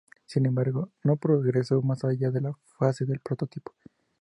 Sin embargo, no progresó más allá de la fase de prototipo.